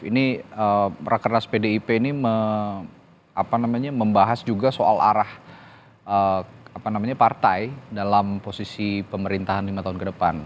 ini rakernas pdip ini membahas juga soal arah partai dalam posisi pemerintahan lima tahun ke depan